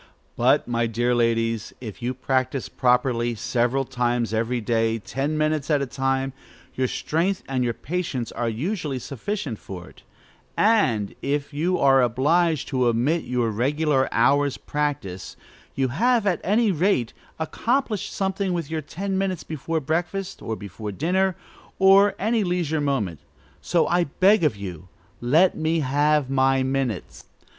But, my dear ladies, if you practise properly, several times every day, ten minutes at a time, your strength and your patience are usually sufficient for it; and, if you are obliged to omit your regular "hour's practice," you have, at any rate, accomplished something with your ten minutes before breakfast, or before dinner, or at any leisure moment. So, I beg of you, let me have my minutes.